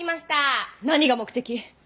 何が目的？